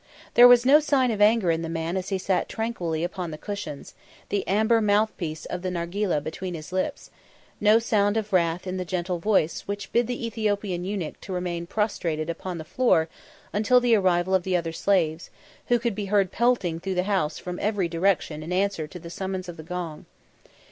There was no sign of anger in the man as he sat tranquilly upon the cushions, the amber mouthpiece of the nargileh between his lips; no sound of wrath in the gentle voice which bid the Ethiopian eunuch to remain prostrated upon the floor, until the arrival of the other slaves, who could be heard pelting through the house from every direction in answer to the summons of the gong.